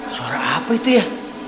suara apa itu ya